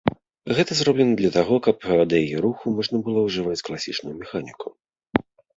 Гэта зроблена для таго, каб да яе руху можна было ўжываць класічную механіку.